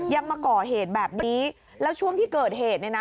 มาก่อเหตุแบบนี้แล้วช่วงที่เกิดเหตุเนี่ยนะ